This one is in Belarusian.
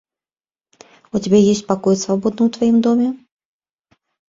У цябе ёсць пакой свабодны ў тваім доме?